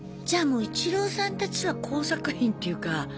じゃあもうイチローさんたちは工作員っていうか。